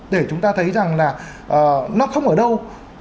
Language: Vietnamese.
để chúng ta thấy rằng là nó không ở đâu